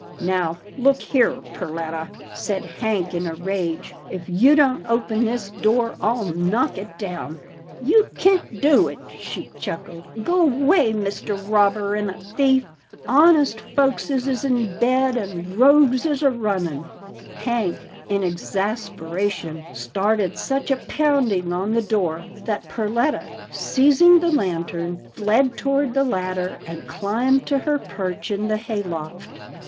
" Now look here, Perletta," said Hank in a rage, " if you don't open this door, I'll knock it down." " You kin't do it," she chuckled, " go 'way, Mr. Robber An' A Thief. Honest folkses is in bed, an' rogues is a runnin'." Hank, in exasperation, started such a pounding on the door that Perletta, seizing the lantern, fled toward the ladder, and climbed to her perch in the hay loft.